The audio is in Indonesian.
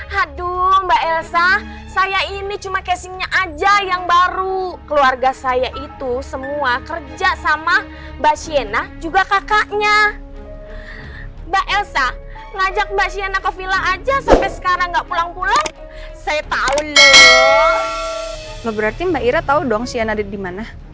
harus diungkapin diucapin